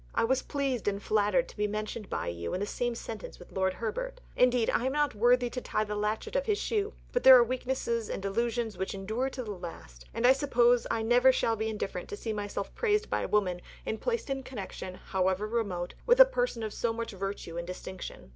I was pleased and flattered to be mentioned by you in the same sentence with Lord Herbert. Indeed I am not worthy to tie the latchet of his shoe, but there are weaknesses and illusions which endure to the last, and I suppose I never shall be indifferent to see myself praised by a woman and placed in connection, however remote, with a person of so much virtue and distinction.